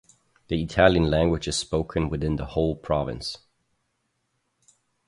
The Italian language is spoken within the whole province.